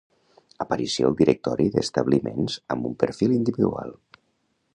Aparició al directori d'establiments amb un perfil individual